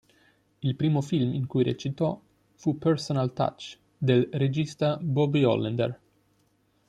Il primo film in cui recitò fu Personal Touch, del regista Bobby Hollander.